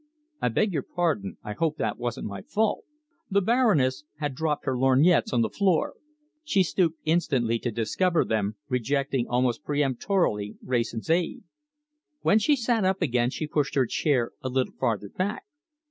I beg your pardon! I hope that wasn't my fault." The Baroness had dropped her lorgnettes on the floor. She stooped instantly to discover them, rejecting almost peremptorily Wrayson's aid. When she sat up again she pushed her chair a little further back.